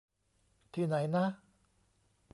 ที่ไหนนะ ?